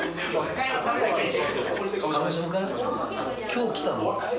今日来たの？